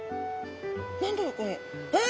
何だろうこれ？わ！